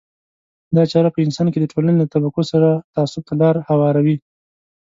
دا چاره په انسان کې د ټولنې له طبقو سره تعصب ته لار هواروي.